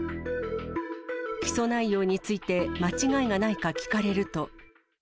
起訴内容について間違いがないか聞かれると。